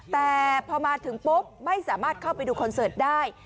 แต่พอมาถึงปุ๊บไม่สามารถเข้าไปดูคอนเสิร์ตได้